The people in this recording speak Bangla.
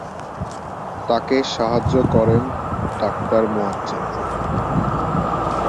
তাকে সাহায্য করেন ডাক্তার মোয়াজ্জেম।